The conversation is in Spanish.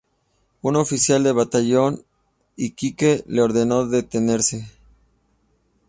Un oficial del batallón Iquique le ordenó detenerse.